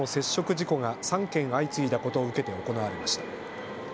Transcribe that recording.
事故が３件相次いだことを受けて行われました。